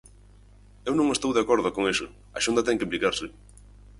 Eu non estou de acordo con iso, a Xunta ten que implicarse.